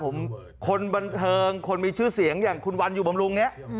ผมคนบันเทิงคนมีชื่อเสียงอย่างคุณวันอยู่บำรุงเนี่ย